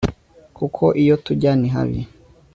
kuko iyo tujya ni habi